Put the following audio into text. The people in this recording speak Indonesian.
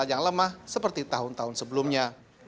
yang lemah seperti tahun tahun sebelumnya